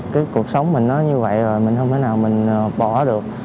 cái cuộc sống mình nó như vậy rồi mình không thể nào mình bỏ được